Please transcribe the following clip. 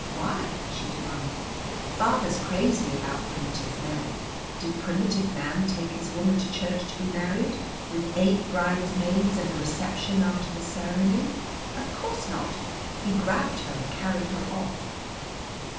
"Why?" she demanded. "Father's crazy about primitive man did primitive man take his woman to church to be married, with eight brides maids and a reception after the ceremony? Of course not. He grabbed her and carried her off."